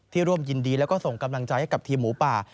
ร่วมยินดีแล้วก็ส่งกำลังใจให้กับทีมหมูป่า